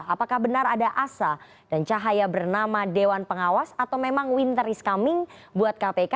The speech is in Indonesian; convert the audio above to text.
apakah benar ada asa dan cahaya bernama dewan pengawas atau memang winter is coming buat kpk